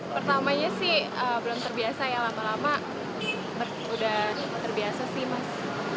pertamanya sih belum terbiasa ya lama lama udah terbiasa sih mas